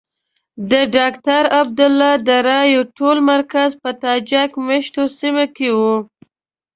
د ډاکټر عبدالله د رایو ټول مرکز په تاجک مېشتو سیمو کې وو.